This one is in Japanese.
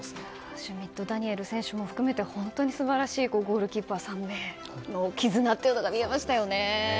シュミット・ダニエル選手も含めて本当に素晴らしいゴールキーパー３名の絆が見えましたよね。